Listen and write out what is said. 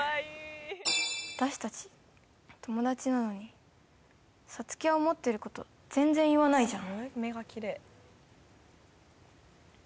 私達友達なのにさつきは思ってること全然言わないじゃん